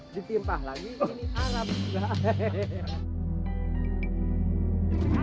ditimpah lagi ini arab juga